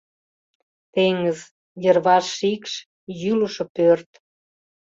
Теҥыз... йырваш шикш, йӱлышӧ пӧрт...